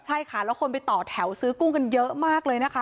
ใช่ค่ะแล้วคนไปต่อแถวซื้อกุ้งกันเยอะมากเลยนะคะ